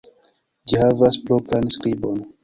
Ĝi havas propran skribon.